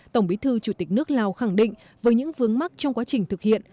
tổng bí thư chủ tịch nước lào khẳng định với những vướng mắt trong quá trình thực hiện